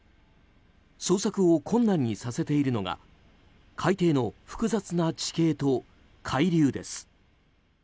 捜索を困難にさせているのが海底の複雑な地形と海流です。